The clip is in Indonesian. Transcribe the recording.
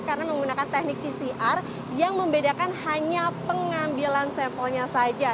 karena menggunakan teknik pcr yang membedakan hanya pengambilan sampelnya saja